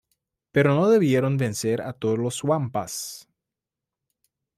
Pero no debieron vencer a todos los wampas.